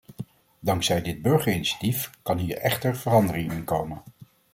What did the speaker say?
Dankzij dit burgerinitiatief kan hier echter verandering in komen.